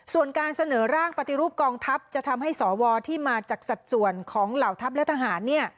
ส่วนการเสนอร่างปฏิรูปกองทัพจะทำให้สวที่มาจากสัดส่วนของเหล่าทัพและทหาร